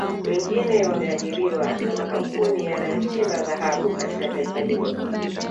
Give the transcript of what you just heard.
Wengine wameajiriwa na makampuni yanayochimba dhahabu katika taifa hilo